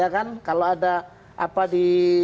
kalau ada apa di